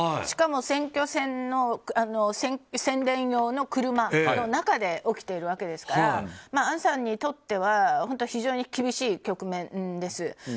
しかも選挙の宣伝用の車の中で起きているわけですからアンさんにとっては非常に厳しい局面です。